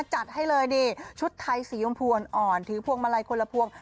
จัดให้เลยนี่ชุดไทยสียำพวนอ่อนถือพวงมาลัยคนละพวง